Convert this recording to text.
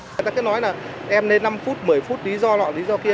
người ta cứ nói là em nên năm phút một mươi phút lý do là lý do kia